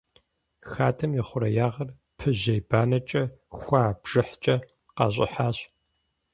Хадэм и хъуреягъыр пыжьей банэкӏэ хуа бжыхькӏэ къащӏыхьащ.